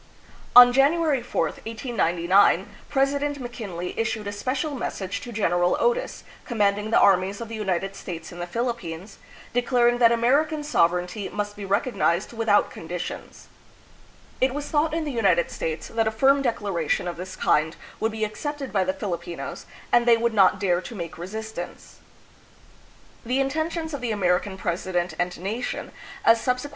On January 4, 1899, President McKin ley issued a spe cial message to General Otis, com manding the armies of the United States in the Philippines, declaring that American sover eignty must be recognized without conditions. It was thought in the United States that a firm declaration of this kind would be accepted by the Filipinos and that they would not dare to make resistance. The intentions of the American president and nation, as subsequent Apolinario Mabini.